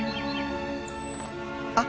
あっ！